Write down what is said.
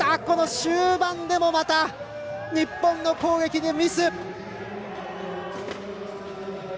終盤でもまた日本の攻撃にミス。